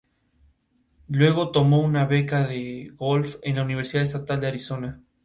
Luego tomó una beca de golf en la Universidad Estatal de Arizona.